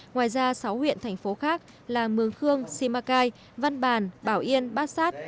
ngoài ra sáu huyện thành phố khác là mường khương simacai văn bản bảo yên bát sát